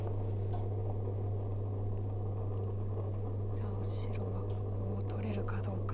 さあ白はここを取れるかどうか。